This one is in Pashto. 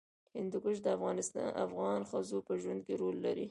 هندوکش د افغان ښځو په ژوند کې رول لري.